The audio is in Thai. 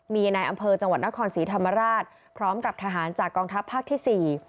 มีในอำเภอจังหวัดนครศรีธรรมราชพร้อมกับทหารจากกองทัพภาคที่๔